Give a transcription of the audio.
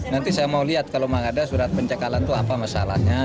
nanti saya mau lihat kalau memang ada surat pencekalan itu apa masalahnya